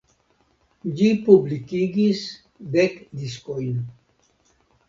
Ĝi publikigis dek diskojn.